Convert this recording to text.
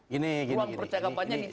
ruang percakapannya ditutup